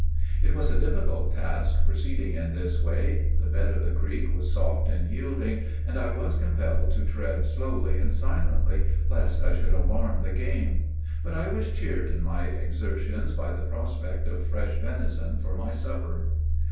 It was a difficult task proceeding in this way. The bed of the creek was soft and yielding, and I was compelled to tread slowly and silently, lest I should alarm the game; but I was cheered in my exertions by the prospect of fresh venison for my supper.